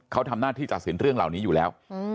เขาทำหน้าที่ตัดสินเรื่องเหล่านี้อยู่แล้ว